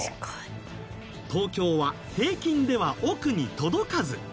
東京は平均では億に届かず。